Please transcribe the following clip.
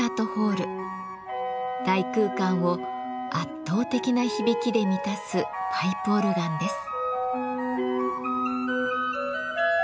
大空間を圧倒的な響きで満たすパイプオルガンです。